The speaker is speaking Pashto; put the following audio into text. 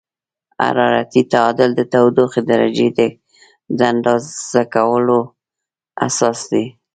حرارتي تعادل د تودوخې درجې د اندازه کولو اساس دی.